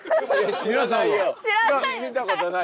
知らない！